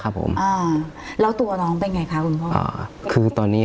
ครับผมอ่าแล้วตัวน้องเป็นไงคะคุณพ่ออ่าคือตอนนี้